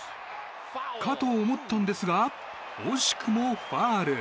かと思ったんですが惜しくもファウル。